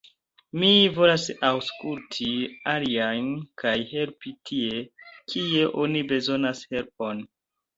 Mi volas aŭskulti aliajn, kaj helpi tie, kie oni bezonas helpon.